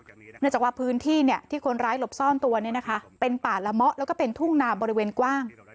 เนื่องจากว่าพื้นที่ที่คนร้ายหลบซ่อนตัวเป็นป่าละเมาะแล้วก็เป็นทุ่งนาบริเวณกว้าง